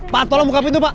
pak tolong muka pintu pak